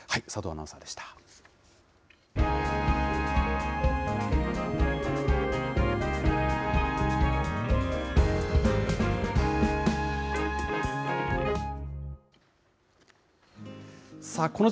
佐藤アナウンサーでした。